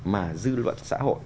mà dư luận xã hội